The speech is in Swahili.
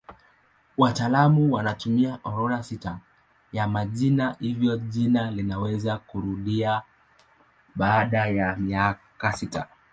Wataalamu wanatumia orodha sita ya majina hivyo jina linaweza kurudia baada ya miaka sita.